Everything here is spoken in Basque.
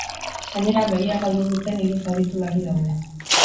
Gainera, begia galdu duten hiru zauritu larri daude.